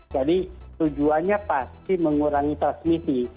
jadi tujuannya pasti mengurangi transmisi